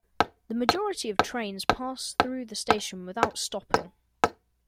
The majority of trains pass through the station without stopping.